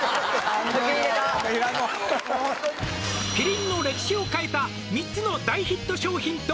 俺「キリンの歴史を変えた３つの大ヒット商品と」